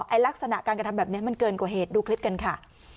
ลักษณะการกระทำแบบนี้มันเกินกว่าเหตุดูคลิปกันค่ะ